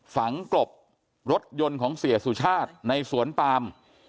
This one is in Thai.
ฝังกลบรถยนต์ของเสียสุชาติในสวนปาม